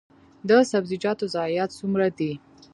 د سبزیجاتو ضایعات څومره دي؟